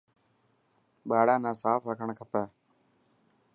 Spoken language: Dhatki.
ٻاڙان نا ساف رکڻ کپي.